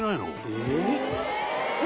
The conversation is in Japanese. えっ！？